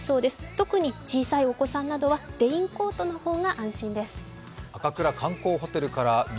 特に小さいお子さんなどは、レインコートの方が安心です。